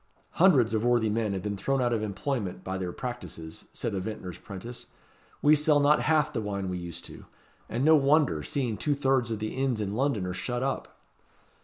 "Hundreds of worthy men have been thrown out of employment by their practices," said a vintner's 'prentice. "We sell not half the wine we used to do. And no wonder! seeing two thirds of the inns in London are shut up."